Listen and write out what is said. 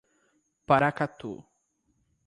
Paracatu